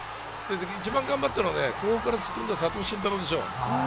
一番頑張ったのは、後方から突っ込んだ佐藤慎太郎でしょう。